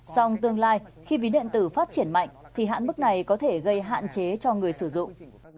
song tương lai khi ví điện tử phát triển mạnh thì hạn mức này có thể gây hạn chế cho người sử dụng